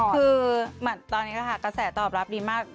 คือตอนนี้นะคะกระแสตอบรับดีมาก